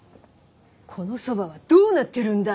「この蕎麦はどうなってるんだ！」